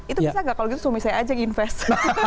itu bisa gak kalau suami saya aja yang invest